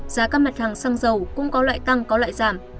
giá các mặt hàng xăng dầu cũng có loại tăng có loại giảm